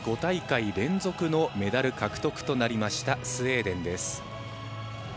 ５大会連続のメダル獲得となりましたスウェーデンです。